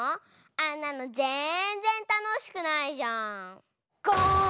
あんなのぜんぜんたのしくないじゃん！